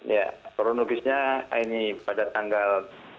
ya kronologisnya ini pada tanggal